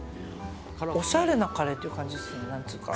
おしゃれなカレーっていう感じですね。